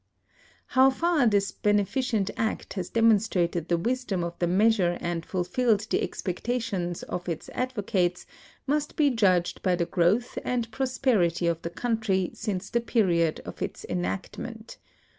How^ far this beneficent act has demonstrated the wisdom of the measure and fulfilled the expectations of its advocates must be judged by the growth and prosperity of the country since the period of its enactment.